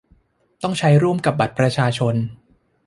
ต้องใช้ร่วมกับบัตรประชาชน